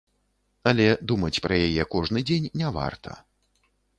Але думаць пра яе кожны дзень не варта.